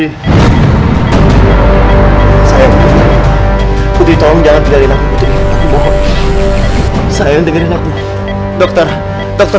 istri saya dokter